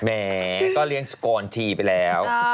แหมก็เลี้ยงสกอนทีไปแล้ว